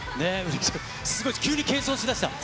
すごい、急にけんそんしだした。